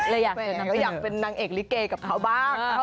อยากก็อยากเป็นนางเอกลิเกกับเขาบ้าง